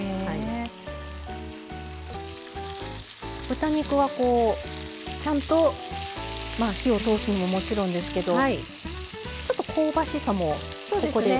豚肉はこうちゃんと火を通すのももちろんですけどちょっと香ばしさもここで。